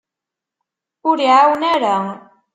Ur iɛawen ara.